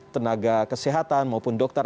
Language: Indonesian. tenaga kesehatan maupun dokter